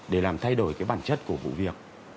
để làm thay đổi cái bản chất của vụ việc